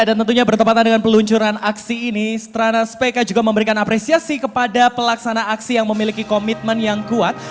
tentunya bertempatan dengan peluncuran aksi ini strana spk juga memberikan apresiasi kepada pelaksana aksi yang memiliki komitmen yang kuat